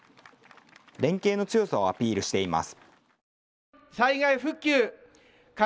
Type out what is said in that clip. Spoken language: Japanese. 連携の強さをアピールしています。